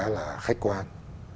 là khách quan